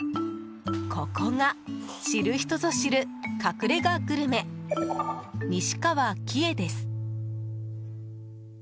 ここが知る人ぞ知る隠れ家グルメ、にしかわ輝恵です。